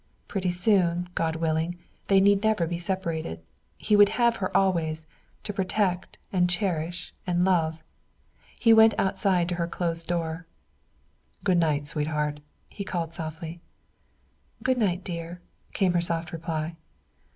Pretty soon, God willing, they need never be separated. He would have her always, to protect and cherish and love. He went outside to her closed door. "Good night, sweetheart," he called softly. "Good night, dear," came her soft reply.